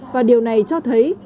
và điều này cho thấy